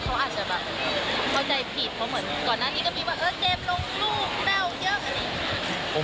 เพราะเหมือนก่อนหน้านี้ก็มีว่าเออเจมส์ลงรูปเต้าเยอะกันอีก